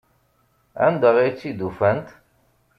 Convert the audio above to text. Anda ay tt-id-ufant?